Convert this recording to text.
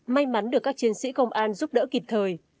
may mắn được các chiến sĩ công an giúp đỡ kịp thời